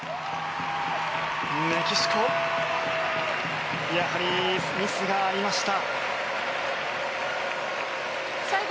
メキシコやはりミスがありました。